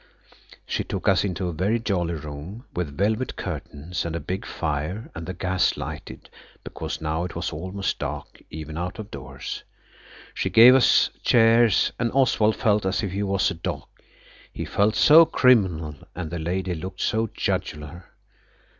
She took us into a very jolly room with velvet curtains and a big fire, and the gas lighted, because now it was almost dark, even out of doors. She gave us chairs, and Oswald felt as if his was a dock, he felt so criminal, and the lady looked so Judgular.